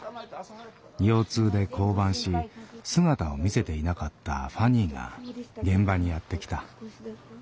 腰痛で降板し姿を見せていなかった風兄が現場にやって来た。